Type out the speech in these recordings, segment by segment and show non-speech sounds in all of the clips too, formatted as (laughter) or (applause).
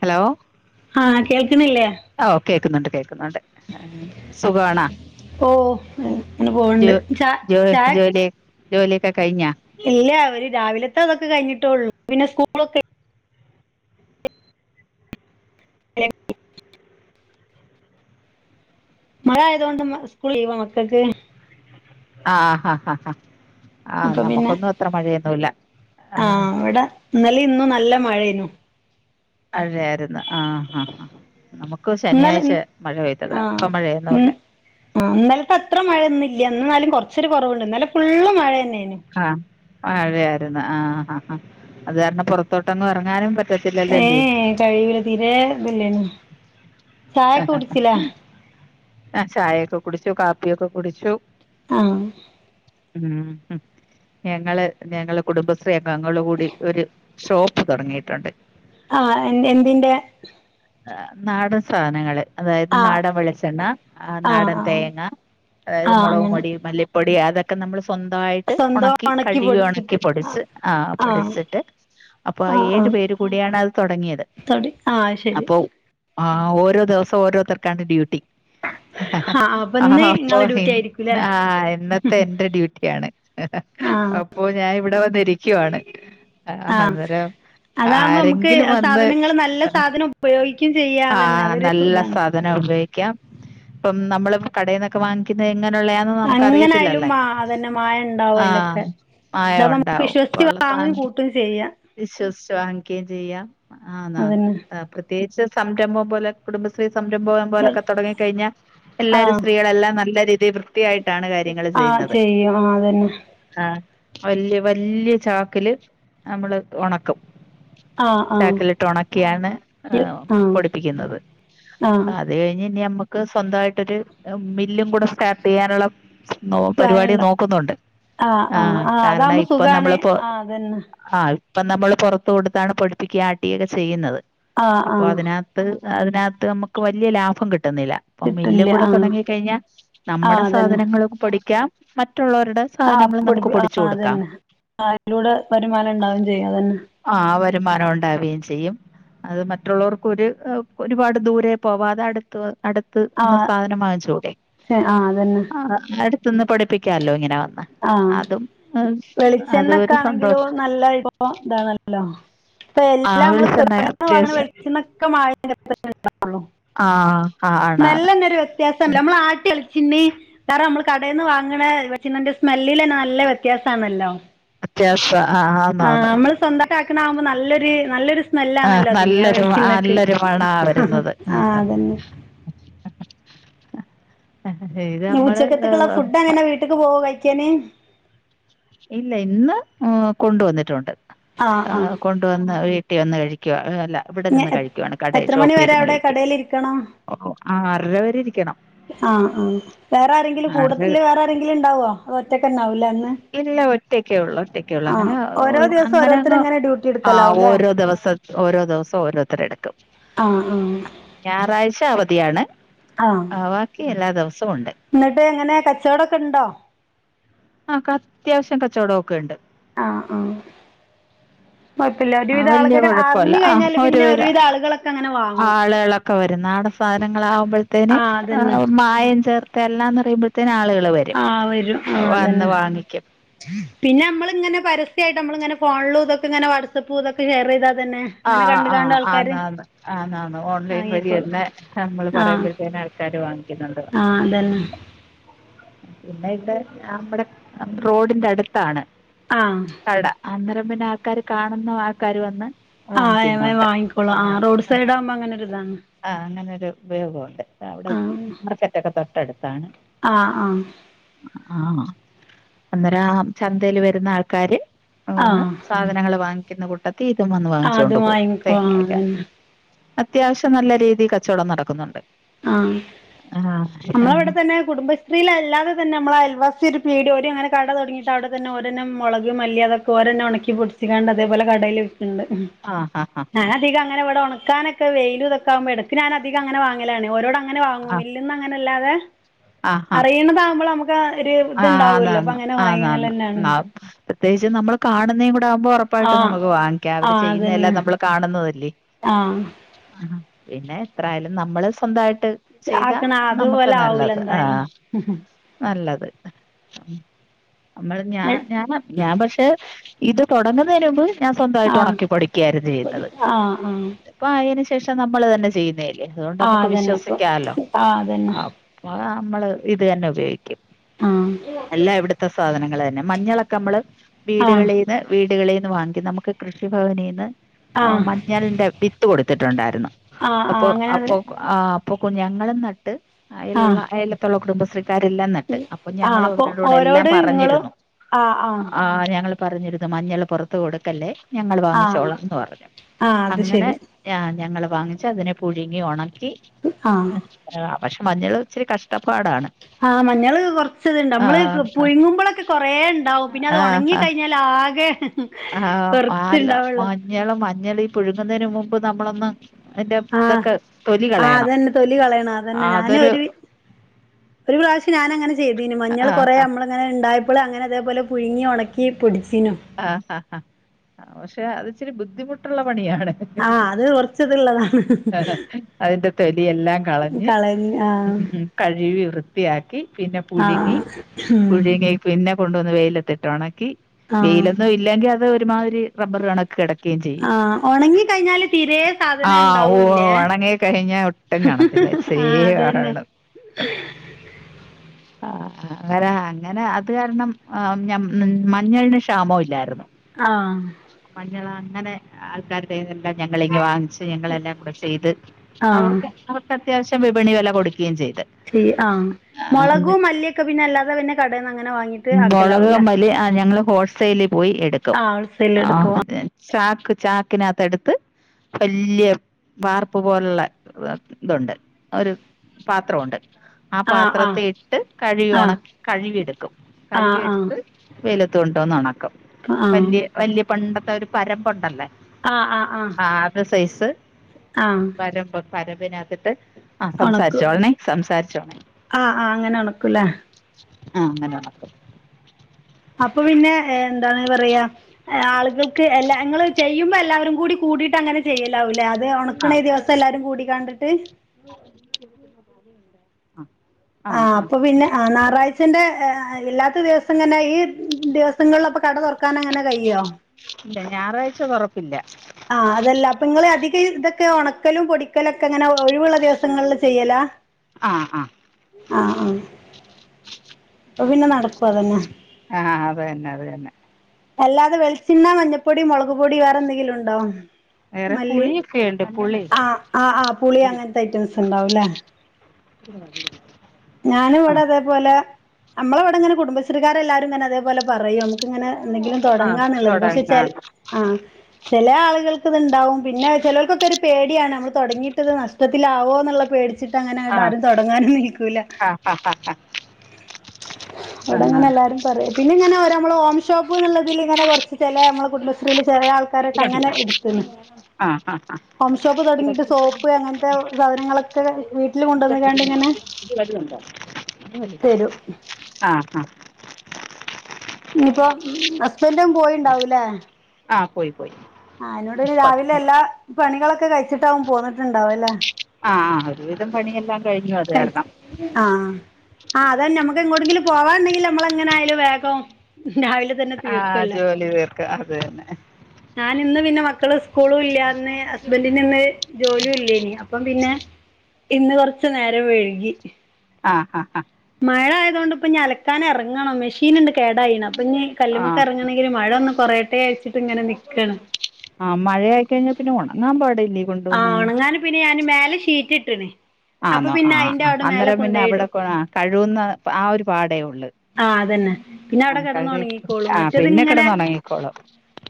Hello ആഹ് കേൾക്ക്ന്നില്ലേ ഓഹ് കേക്ക്ന്ന്ണ്ട് കേക്ക്ന്നുണ്ട് സുഖവാണോ ഓഹ് ഇങ്ങനെ ഇങ്ങനെ പോവ്ണ്ട് ച ചായക് ജോലിയെക്കെ കഴിഞ്ഞാ ഇല്ല അവര് രാവിലെത്തെ ഇതൊക്കെ കയിഞ്ഞിട്ടാെള്ളൂ പിന്നെ സ്കൂളൊക്കേയ് (unintelligible) മഴായതോണ്ട് ഇന്ന് ഉസ്കൂള് ലീവാ മക്കൾക്ക് ആഹ് ഹ ഹ ഹ ആഹ് അപ്പൊ പിന്നെ നമക്കൊന്നും അത്ര മഴയൊന്നുല്ല ആഹ് ഇന്നെലിം ഇന്നും നല്ല മഴേന്നു മഴേര്ന്നോ ആഹ് ആഹ് ഹ ഹ നമുക്ക് ഇന്നലെ ശനിയാഴ്ച ഇൻ- മഴ പെയ്തതാ ഇപ്പം മഴയൊന്നുല്ല ആഹ് ഇന്നലെത്തെ അത്ര മഴ ഇന്ന് ഇല്യ ഇന്ന്ന്നാലും കാെറച്ചൊരു കാെറവ്ണ്ട് ഇന്നലെ ഫുള്ള് മഴന്നേനു ആഹ് മഴയായിരുന്നോ ആഹ് ആഹ് ആഹ് അത് കാരണം പാെറത്തോട്ടൊന്നും എറങ്ങാനും പറ്റ് ഏഹ് കഴിയൂല തീരെ ഇതില്ലേന്നു അഹഹ ഹ് ആഹ് ചായെക്കെ കുടിച്ചു കാപ്പിയൊക്കെ കുടിച്ചു ആഹ് ഉം ഉം ഞങ്ങള് ഞങ്ങള് കുടുംബശ്രീ അംഗങ്ങളുകൂടി ഒര് ഷോപ്പ് താെടങ്ങിയിട്ടുണ്ട് ആഹ് എൻ എന്തിന്റെ ഹ് നാടൻ സാനങ്ങള് അതായത് ആ നാടം വെളിച്ചെണ്ണ ആ നാടൻ ആ തേങ്ങ അതായത് ആഹ് അങ്ങനെ മാെളകുംപൊടി മല്ലി പൊടി അതൊക്കെ നമ്മള് സ്വന്തായി ട്ട് ഒണക്കി കഴ്കി ഒണക്കി പൊടിച്ച് ആഹ് പൊടിച്ചിട്ട് അപ്പൊ ആഹ് അഏഴ് ആഹ് പേര് കൂടിയാണ് അത് തൊടങ്ങിയത് തൊടി ആഹ് ഇ അപ്പൊ ആഹ് ഓരോ ദിവസം ഓരോതർക്കാണ് ഡ്യൂട്ടി ഹഹ ആഹ് അപ്പൊ ഹഹഹ ഇന്ന് അപ്പൊ ഇങ്ങളെ ഡ്യൂട്ടി ആയിരിക്കുംല്ലേ ഇന്ന് ആഹ് ഇന്നത്തെ എന്റെ ഡ്യൂട്ടിയാണ് എഹഹ് ഹ് ആഹ് അപ്പൊ ഞാന് ഇവിടെ വന്നിരിക്കുവാണ് ആ, ആഹ് അന്നേരം അതാവുമ്പോമക്ക് ആരെങ്കിലും വന്ന് സാധനങ്ങള് ആ നല്ലസാധനം ഉപയോഗിക്കും ചെയ്യാ അതന്നെ അതൊരുതാണ്. അതന്നെ ഉപയോഗിക്കാം ഇപ്പം നമ്മള് കടയിന്നൊക്കെ വാങ്ങിക്കുന്ന എങ്ങനെയുള്ളയാ എങ്ങനായ്ലും മാ അതന്നെ മായണ്ടാവും ആഹ് അയിലൊക്കെ മായം ഇതാകുമ്പോ നമുക്ക് ഉണ്ടാവും ഇപ്പ വിശ്വസിച്ച് ഉള്ള വാങ്ങി സാധനം കൂട്ട ട്ടും ചെയ്യാ വിശ്വസിച്ച് വാങ്ങിക്കയും ചെയ്യാ ആണ് ആണ് അതന്നെ പ്രത്യേകിച്ച് സംരംഭം പോലെ കുടുംബശ്രീ സംരംഭം ഭം പോലൊക്കെ തൊടങ്ങിക്കഴിഞ്ഞാ എല്ലാരും ആഹ് സ്ത്രീകളെല്ലാം നല്ല രീതിയിൽ വൃ ത്തിയായിട്ടാണ് കാര്യങ്ങള് ആഹ് ചെയ്യുന്നത് ചെയ്യും ആഹ് അതന്നെ ആഹ് വല്ല്യ വല്ല്യ ചാക്ക്‌ല് നമ്മള് ഒണക്കും ആഹ് ആഹ് ചാക്കിലിട്ട് ഒണക്കിയാണ് ആഹ് പൊടിപ്പിക്കുന്നത്. ആഹ് അത് കഴിഞ്ഞ് ഇനി നമ്മക്ക് സ്വന്തമായിട്ടൊരു മില്ലും കൂടെ സ്റ്റാർട്ട്യ്യാനുള്ള നോ പ്ലാൻ പരിപാടി ഇണ്ട നോക്കുന്നുണ്ട് ആഹ് കാരണം ഇപ്പം നമ്മളിപ്പോ അതന്നെ ആഹ് ഇപ്പം നമ്മള് പൊറത്ത് കൊടുത്താണ് പൊടിപ്പിക്ക ആട്ടിയൊക്കെ ചെയ്യുന്നത് ആഹ് അപ്പൊ ആഹ് അതിന കത്ത് അതിനകത്ത് നമുക്ക് വല്ല്യ ലാഭംകിട്ടുന്നില്ല. അപ്പം മില്ലും കിട്ടില്ല കൂടെ ആഹ് തുടങ്ങികഴിഞ്ഞാ ആഹ് നമ്മുടെ അതന്നെ സാധനങ്ങളും പൊടിക്കാം മറ്റുള്ളവരുടെ ആഹ് സാധനങ്ങളും നമുക്ക് പൊടിപ്പിച്ച പൊടിച്ചു ആഹ് കൊടുക്കാം അതന്നെ അതിലൂടെ വരുമാനണ്ടാവുംചെയ്യും അതന്നെ. ആഹ് വരുമാനം ഉണ്ടാവുകയും ചെയ്യും അത് മറ്റുള്ളവർക്കൊര് ഏഹ് ഒരുപാട് ദൂരെ പോവാതെ അട് ത്ത് അട്ത്ത് ന്ന് ആഹ് സാധനം വാങ്ങിചൂടെ ആഹ് അതന്നെ ആഹ് അട് ത്ത്ന്ന് പൊടിപ്പിക്കാലോ ഇങ്ങനാ ആഹ് അത് ഒരു വെളിച്ചെണ്ണക്കാണെങ്കിലോ സന്തോഷം നല്ലഇപ്പൊ ഇപ്പൊ ഇതാണല്ലോ ഇപ്പൊ എല്ലാം ആഹ് നമ്മള് വെളിച്ചെണ്ണ കടേന്ന് വാങ്ങുന്ന അത്യാവശ്യം വെളിച്ചണ്ണക്കെ മായാ ചേർത്തിട്ടെണ്ടാവുള്ളു ആഹ് ആ ആണാണ് സ്മല്ലന്നെ ഒരു വ്യത്യാസല്ലേ നമ്മൾ ആട്ടിയ വെളി ച്ചിണ്ണി വേറെ നമ്മൾ കടേന്ന് വാങ്ങണ വെള്ച്ചണ്ണന്റെ സ്മെല്ലിലെന്നെ നല്ല വ്യത്യാസാണല്ലോ. വിത്യാസാ ആന്ന് ആന്ന് സ്വന്തക്ക്‌ ആക്ക്ണാവുമ്പോ നല്ലൊരു നല്ലൊരു ആഹ് സ്‌മ്മല്ലാണല്ലോ അതിന് ആ നല്ലൊരു വെൾച്ചണ്ണക്ക് നല്ലൊരു മണാ ആഹ് വരുന്നത് ആ ആ അതന്നെ ഇത് നമ്മള് ഏഹ് വീട്ട്ക്ക് പോകോ കഴിക്കാന്. ഇല്ല ഇന്ന് ഉ കൊണ്ടുവന്നിട്ടുണ്ട് ആ ആ ആകൊ ണ്ടുവന്ന് വീട്ടിവന്ന് കഴിക്കുവാ ഏ അല്ല ഇനി ഇവിടെനിന്ന് കഴിക്കുവാണ് കടയിൽ എത്ര മണി വരെ ഷോപ്പിരുന്ന് അവിടെ കഴിക്കാ കടയിൽ ഇരിക്കണം അഹ് അ അറര വരെഇരിക്കണം. ആഹ് ആഹ് വേറെ ആരെങ്കിലും ആറര കൂടത്തില് വേറെആരെങ്കിലുണ്ടാവോ അത് ഒറ്റക്കന്നാവൂലേ ഇന്ന്. ഇല്ല ഒറ്റക്കേഒള്ളൂ ഒറ്റ ക്കേള്ളു അങ്ങനെ ഓരോ ദിവസം അങ്ങനെ ഓരോരുത്തർ ഒന്നും ഇങ്ങനെ ഡ്യൂട്ടി ആ എടുക്കലാവൂല്ലേ ഓരോ ദിവസ ഓരോ ദിവസം ഓരോരുത്തരടുക്കും. ആഹ് ആഹ് ഞാറാഴ്ച്ച അവധിയാണ് ആഹ് ക്കി എല്ലാ ദിവസവും ഉണ്ട്. ഇന്നട്ട് എങ്ങനെ കച്ചോടൊക്കെണ്ടോ അഹ് കത്യാവ്ശ്യം കച്ചോടൊക്കെ ഉണ്ട് ആഹ് ആഹ് കോഴപ്പല്ല ആ ഒരുവിധ വലിയ ആളുകാര് കുഴപ്പമില്ല അറിഞ്ഞ്കഴിഞ്ഞാല് പിന്നെ ഒരുവിധ ആള്കളൊ ആൾളൊക്കെവരും നാടൻ സാധനങ്ങളാകുമ്പഴ്ത്തേന് ആഹ് അതന്നെ മാ യം ച്ചെർത്തല്ലാന്ന് അറിയുമ്പോഴത്തേന് ആളേള് വരും ആഹ് വരും വന്ന് ആതന്നെ വാങ്ങിക്കും പിന്നെ നമ്മള്ങ്ങനെ പരസ്യയിട്ട് നമ്മൾങ്ങനെ ഫോൺലും തൊക്കെങ്ങനെ വാട്സപ്പ് ഇതൊക്കെ ഷെയർയ്താ തന്നെ അങ്ങനെ ആഹ് കണ്ട് കാണ്ട് ആഹ് ആൾക്കാര് അതാണ് ആന്നാന്നു ഓൺലൈൻ വഴി വാങ്ങിക്കോളും തന്നെ നമ്മള് ആഹ് പറയമ്പഴത്തേന് ആൾക്കാര് വാങ്ങിക്കുന്നുണ്ട് ആഹ് അതന്നെ പിന്നെ ഇവിടെ അമ്മടെ റോഡിന്റടുത്താണ് ആഹ് കട അന്നെരം പിന്നെ ആൾക്കാര് കാണുന്ന ആൾക്കാര് വന്ന് ആഹ് വേം വേം വാങ്ങിക്കോളും ആഹ് റോഡ് സൈഡ് ആമ്പ അങ്ങനൊരിതാണ് ആഹ് അങ്ങനൊര് ഉപയോഗം ഒണ്ട് അവിടെ ആഹ് (unintelligible) ഒക്കെ തൊട്ടടുത്താണ് ആഹ് ആഹ് ആഹ് അന്നെരം ആ ചന്തേല് വരുന്ന ആൾക്കാര് വന്ന് ആഹ് സാധനങ്ങള് വാങ്ങിക്കുന്ന കൂട്ടത്തി ഇതും വന്ന് ആഹ് അത് വാങ്ങിച്ചോണ്ട് പോകും വാങ്ങിക്കോ ആഹ് തേങ്ങേക്കെ അതന്നെ ഉം അത്യാവശ്യം നല്ല രീതി കച്ചവടം നടക്കുന്നുണ്ട് ആഹ് ആഹ് നമ്മടിവിടെ തന്നെ കുടുംബ ശ്രീല്ലല്ലാതെതന്നെ നമ്മളയൽവാസി ഒരു പീടിയ ഒരു അങ്ങനെ കട തൊടങ്ങീട്ട് അവിടെ തന്ന ഓ രന്നെ മുളക് മല്ലി അതൊക്കെ ഓരെന്നെ ഒണക്കി പൊടിച്ചിങ്ങാണ്ട് അതേപോലെ കടയിൽ വിക്ക്ണ്ട് ആഹ് ആഹ് ഞാനധികം അങ്ങന ഇവിടെ ഒണക്കാനൊക്കെ വെയില് ഇതൊക്കെ ആകുമ്പോ ഇടക്ക് ഞാനധികം അങ്ങനെ വാങ്ങലാണ് ഓരോട ങ്ങനവാങ്ങും ആഹ് മില്ല്ന്ന് അങ്ങനല്ലാതെ ആഹ് ആഹ് അറിയിണ്താകുമ്പോ നമു ക്ക് ഒരു ഇത്ണ്ടാവല്ലോ അപ്പോ ആന്നാന്ന് അങ്ങനെ ആന്നാന്ന് വാങ്ങിക്കലനാണ് പ്രത്യേകിച്ച് നമ്മള് കാണുന്നെ കൂടെ ആകുമ്പോ ഒറ ആ പ്പായിട്ടും നമുക്ക് വാങ്ങിക്കാം ആ അവര് ചെയ്യുന്നതെല്ലാം അതന്നെ നമ്മള് കാണുന്നതല്ലെ ആ ആഹ് പിന്നെ എത്രായാലും നമ്മൾ സ്വന്തായി ട്ട് ചെയ്താ ആക്കണ നമുക്ക് അതുപോലെ ആവൂല നല്ലത് എന്തായാലും ആഹ് നല്ലത് നമ്മൾ ഞ ഞാ ഞാൻ പക്ഷെ ഇത് തൊടങ്ങുന്നതിനു മുമ്പ് ഞാൻ സ്വന്തായിട്ട് ആ ഒണക്കി പൊടിക്യാര്ന്നു ചെയ്യുന്നത് ആ ആ ഇപ്പ ആയെന് ശേഷം നമ്മള് തന്നെ ചെയ്യുന്ന അതുകൊണ്ട് ആ നമ്മക്ക് അതന്നെ ഇപ്പം വിശ്വസിക്കാല്ലോ ആ അതന്നെ അപ്പ നമ്മള് ഇത് തന്നെ ഉപയോഗിക്കും ആഹ് എല്ലാം ഇവിടത്തെ സാധനങ്ങള് തന്നെ മഞ്ഞളൊക്കെ നമ്മള് ആ വീടുകളീ ന്ന് വീടുകളീന്ന് വാങ്ങിക്കും നമുക്ക് കൃഷിഭവനീന്ന് ആ ആഹ് മഞ്ഞൾന്റെ വിത്ത് കോടുത്തിട്ടുണ്ടായിരുന്നു ആ ആ അപ്പോ അങ്ങനെ അത് അപ്പോ ആഹ് അപ്പൊ കുഞ്ഞ ഞങ്ങളും നട്ട് ആ അയ്ലൊള്ള അയിലതൊള്ള കുടുംബശ്രീക്കാരല്ലാം നട്ട് അ പ്പം ആ ഞങ്ങൾ അപ്പോൾ ഓരോടെല്ലാം ഓരോട് നിങ്ങളും പറഞ്ഞിരുന്നു ആ ആ ആഹ് ഞങ്ങൾ പറഞ്ഞിരുന്നു മഞ്ഞൾ പൊറത്ത് കോടുക്കല്ലെ ഞങ്ങൾ ആ വാങ്ങിച്ചോളാം എന്ന് പറഞ്ഞു ആ അത് അങ്ങനെ ശരി ഞാ ഞങ്ങള് വാങ്ങിച്ചു അതിനെ പുഴുങ്ങി ഒണക്കി ആഹ് പക്ഷെ മഞ്ഞൾ ഇച്ചരി കഷ്ടപ്പാടാണ് ആഹ് മഞ്ഞള് കുറച്ച്ത്ണ്ട് അമ്മള് ആ പുഴുങ്ങുമ്പളൊക്കെ കൊറേ ണ്ടാവും പിന്നെ അത് ഉണങ്ങി കഴിഞ്ഞാല് ലാകെ ആഹ് ആല്ല മഞ്ഞള് മഞ്ഞളീ ഈ പുഴുങ്ങുന്നതിന് മുമ്പ് നമ്മളൊന്ന് അതിന്റെ ആഹ് ഇതൊക്കെ തൊലി ആഹ് കളയണം അതന്നെ തൊലി കളയണം അതന്നെ ഞാന് അതൊരു ഒരു ഒരു പ്രാവശ്യം ഞാനങ്ങനെ ചെയ്തീനു മഞ്ഞൾ ആ കുറെ നമള് അങ്ങനെ ഇണ്ടായപ്പളെ അങ്ങനെ ഇതെപോലെ പുഴുങ്ങി ഒണക്കി പൊടിച്ചീനു ആ ഹ ഹാ പക്ഷെ അത് ച്ചിരി ബുദ്ധിമുട്ടുള്ള പണിയാണ്. ആഹ് അത് കൊറച്ച്ത്ള്ളതാണ് അതിന്റെ തൊലിയെല്ലാം കളഞ്ഞ് കഴുവി വൃത്തിയാക്കി പിന്നെ ആഹ് പുഴുങ്ങി ഉം പുഴുങ്ങി പിന്നെ കൊണ്ടുവന്ന് വെയിലത്തിട്ട് ഒണക്കി ആഹ് വെയിലൊന്നും ഇല്ലെങ്കി അത് ഒരുമാതിരി റബ്ബർ കണ ‌ക്കി കിടക്കയും ചെയ്യും ആഹ് ഒണങ്ങി കഴിഞ്ഞാല് തീരെ സാധനം ആഹ് ഓഹ് ഇണ്ടാവൂല്ലേ ഒണങ്ങി കഴിഞ്ഞ ഒട്ടും കാണത്തില്ല സേ ആഹ് അതന്നെ കാണു ആഹ് അങ്ങന അങ്ങന അത് കാരണം അഹ് ഞം മഞ്ഞൾന് ക്ഷാമോം ഇല്ലായിരുന്നു. ആഹ് മഞ്ഞളങ്ങനെ ആൾക്കാരുടെയെല്ലാം ഞങ്ങളിങ്ങ് വാങ്ങിച് ഞങ്ങളെല്ലാം കൂടെ ചെയ്ത് ആഹ് അവർക്ക് അവർക്ക് അത്യാവശ്യം വിപണി വെല കൊടുക്കുകയും ചെയ്ത്. ച്ചി ആ ആ, മുളകും എന്നിട്ട് മല്ലിയൊക്കെ പിന്നെ അല്ലാതെ പിന്നെ കടേന്ന് അങ്ങനെ വാങ്ങി മൊളക് മല്ലി ആ ഞങ്ങള് ഹോൾസെയ്ല് പോയി എടുക്കും ആഹ് ഹോൾസെയിൽ ആ എടുക്കും അതെ ചാക്ക് ചാക്കിനത്തെ എടുത്ത് വല്യ വാർപ്പ് പോലുള്ള ഇതുണ്ട് ഒരു പാത്രുണ്ട് ആ ആഹ് ആഹ് പാത്രത്തെ ഇട്ട് കഴുകി ആഹ് ഉണക്കി കഴുകിയെടുക്കും ആഹ് ആഹ് കഴുകിയെടുത്ത് വെയിലത്ത്‌ കൊണ്ടൊന്ന് ഉണക്കും വല്യ ആഹ് വല്യ പണ്ടത്തെ ഒരു പരപ്പുണ്ടല്ലോ ആഹ് ആഹ് ആഹ് ആ ആത് സൈസ് ആഹ് പരമ്പ് പരമ്പിനകത്തിട്ട് ആ ഒണക്കും സംസാര്ച്ചോൾണെ സംസാര്ച്ചോ ആഹ് ആഹ് അങ്ങനെ ഒണക്കൂല്ലേ ആ അങ്ങനെ ഉണക്കും അപ്പൊ പിന്നെ എ എന്താണ് പറയാ ആളുകൾക്ക് എല്ലാ നിങ്ങൾ ചെയ്യുമ്പോ എല്ലാവരും കൂടി കൂടിയിട്ട് അങ്ങനെ ചെയ്യലാവൂല്ലേ അത് ആ നക്കണ ദിവസം എല്ലാരും കൂടി കണ്ടിട്ട് ആഹ്‌ ആ അപ്പൊ പിന്നെ അ ഞാറാഴ്ച ച്ചന്റെ ഇല്ലാത്ത ദിവസം തന്നെ ഈ ദിവസങ്ങളിൽപ്പൊ കട തുറക്കാൻ അങ്ങനെ കഴോ? ഇല്ല ഞായറാഴ്ച തൊറപ്പില്ല. ആഹ് അതല്ല അപ്പൊ നിങ്ങൾ അധികം ഇതൊക്കെ ഉണക്കലും പൊടിക്കലൊക്കെ അങ്ങനെ ഒഴിവുള്ള ദിവസങ്ങളിൽ ചെയ്യലാ? ആഹ് ആഹ്‌ ആ അപ്പൊ പിന്നെ നടപ്പ് അതന്നെ. ആ അതെന്നെ അതെന്നെ അല്ലാതെ വെളിച്ചണ്ണ മഞ്ഞപ്പൊടി മുളക്പൊടി വേറെ എന്തെങ്കിലും ഉണ്ടോ വേറെ മല്ലി പുളിയൊക്കെയുണ്ട് പുളി ആ ആ ആ പുളി അങ്ങനത്തെ ഐറ്റംസ് ഉണ്ടാവുംല്ലേ? (unintelligible) ഞാനും ആ വിടെ തേപോലെ നമ്മളെവിടെങ്ങെനെ കുടുംബശ്രീകാരെല്ലാരും തന്നെ അതേപോലെ പറയും. ക്ക്‌ ങ്ങനെ എന്തെങ്കിലും ആ തുടങ്ങാന്നുള്ളത് പക്ഷെ ചെൽ തുടങ്ങാം ആ ചില ആളുകൾക്ക് ഇത്ണ്ടാവും പിന്നെ ചിലർക്കൊക്കെ ഒരു പേടിയാണ് നമ്മൾ തുടങ്ങിയിട്ടത് നഷ്ടത്തിലാവോ എന്നുള്ള പേടി ച്ചിട്ട് അങ്ങന ആ ആണ്ട് ആരും തുടങ്ങാനും നിൽക്കൂല ആ ആ ആ ആ ആ അവിടെങ്ങനെ എല്ലാരും പറ പിന്നെങ്ങെനെ ഓര നമ്മള് ഹോം ഷോപ്പ് എന്നുള്ളതിൽ ഇങ്ങന കുറച്ച് ചില നമ്മളെ കുടുംബശ്രീല് ചലെ ആൾ ക്കാരൊക്കെ അങ്ങനെ എട്ത്ത്ണ് ആഹ്‌ ആഹ് ആഹ് ഹോം ഷോപ്പ് തുടങ്ങിട്ട് സോപ്പ് അങ്ങനത്തെ സാധനങ്ങളൊക്കെ വീട്ടിൽ കൊണ്ടുവന്ന കാണ്ടിങ്ങനെ ആ ആഹ് ഇഞ്ഞിപ്പൊ ഹസ്ബന്റും പോയിണ്ടാവൂല്ലേ? ആ പോയി പോയി ആ അതിനോടൊരു രാവിലെ പത്ത് എല്ലാ പണികളൊക്കെ കഴിച്ചിട്ടാവും പോന്നിട്ടുണ്ടാവും അല്ലേ ആഹ് ആ ഒരു വിധം പണിയെല്ലാം കഴിഞ്ഞു അത് കാരണം ആഹ് ആഹ് അതന്നെ നമുക്ക് എങ്ങോടെങ്കില പോവാണ്ടെങ്കിൽ നമ്മള എങ്ങനൊയാലും വേഗോം രാവിലെ തന്നെ ആഹ് തീർക്കല്ല ജോലി തീർക്ക അത് തന്നെ ഞാൻ ഇന്ന് പിന്നെ മക്കള് സ്കൂളും ഇല്ലന്ന് ഹസ്ബൻറി നിന്ന് ജോലിയും ഇല്ലേനി അപ്പം പിന്നെ ഇന്ന് കൊറച്ചു നേരം വഴുകി ആ ആ ആഹ് മഴ ആയതുകൊണ്ട് ഇപ്പ ഞ അലക്കാനറങ്ങണം മെഷീൻുണ്ട് കേടായിണ അപ്പൊ ഇനി ആ കല്ല്ലുമൊക്ക് ഇറങ്ങണമെങ്കില മഴ ഒന്ന് കൊറേട്ടേ അയച്ചിട്ട് ഇങ്ങനെ നൽക്കണ് ആഹ് മഴയയി കഴിഞ്ഞൽ പിന്നെ ഉണങ്ങാൻ പാടില്ലോ ആ ഉണങ്ങൻ പിന്നെ ഞാന് മേലെ ഷീറ്റ് ഇട്ട്ണ് അപ്പൊ ആണോ ആ പിന്നെ അയിന്റെ അവിടെ മേലെ അന്നേരം പിന്നെ അവിടെ കൊണ്ടോയിടും കഴുകുന്ന ആ ഒരു പാടേ ഉള്ളു. ആ അതന്നെ പിന്നെ ആ അവ്ടെ കെടന്ന് കഴുകി ഒണങ്ങിക്കോളും ആ മറ്റത് പിന്നെ ങ്ങെനെ കിടന്നുണങ്ങിക്കോളും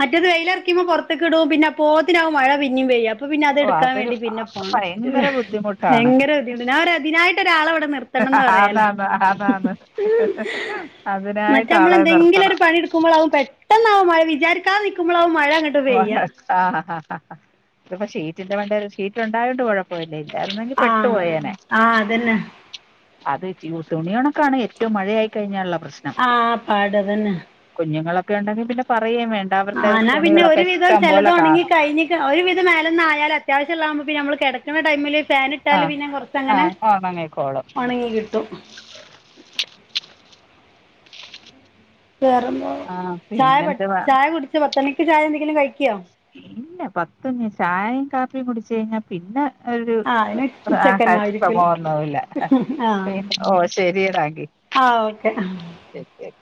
മറ്റത് വെയിലറിക്കുമ്പോ പൊറത്ത് കിടും പിന്നെ പോത്തിനാവുംമഴ പിന്നിം പെയ്യ അപ്പൊ പിന്നെ അത് ഓ ട്ക്കാൻ അതൊരു വേണ്ടി പിന്നെ പോണം ഭയങ്കര ബുദ്ധിമുട്ടാണ് ഭയങ്കര ബുധിമുണ്ട് ഞാൻപറയാ തിനായിട്ട് ഒരാളെവിടെനിർത്ത ത്തണം ന്നറീല ആന്നാന്ന് മ് ആന്നാന്ന് അതിനായിട്ട് മറ്റമ്മൾ ആളെ നിർത്തണം ന്തെങ്കിലും പണി പ്പ്മൊളകംപെട്ടെന്നാവും മഴ വിചാരിക്കാതെ നിക്കുമ്പളാവും മഴ ങട്ട് വ് ഹ ഹ ആ (unintelligible) ആഇതിപ്പോ ഷീട് വണ്ട് ഷീറ്റ് ണ്ടായോണ്ട് കൊഴപ്പ (unintelligible) പോല ഇല്ലായിരുന്നെങ്കി ആ പെട്ടു പോയേനെ ആ അതന്നെ അത് ജൂസ്ണിണ്ക്കാണ് ഏറ്റവും മഴയായി കഴിഞ്ഞാലുള്ള പ്രശ്നം ആ പാട് തെന്നെ കുഞ്ഞുങ്ങളൊക്കെ ണ്ടെങ്കിൽ പിന്നെ പറയേം വേണ്ട അവര്ടെ തുണികളൊക്കെ ഒര് വിധം ഇഷ്ടം പോലെ ചെലത്ഒണങ്ങി കാണും കഴിഞ്ഞ് ഒരുവിധം മേലന്നായാലും അത്യാവിശ്യള്ളാകുമ്പോ പിന്നെ മ്മള് കെടക്ണ ടൈമിൽ ഫേനിട്ട് ആ ട്ടാൽ പിന്നെ ആ കൊറച്ചങ്ങനെ ഉണങ്ങിക്കോളും ഒണങ്ങി കിട്ടും വേറെന്താ ആ ചായ പട് പിന്നെന്തുവാ ചായ കുടിച്ചൊ പത്തെണിക്ക് ചായ ന്തെങ്കിലും കഴിക്കൊ ഇല്ല പത്തന്ന് ചായിം കാപ്പിയും കുടച്ച് കഴിഞ്ഞാ പിന്നെ ആ അതിന് ഉച്ചക്കന്നെ ആയിരിക്കും (unintelligible) ആ പി ഓ ശെരിറാക്കി ആ ഓക്കെ അ ശരി ശരി (unintelligible)